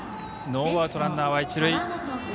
ノーアウト、ランナーは一塁。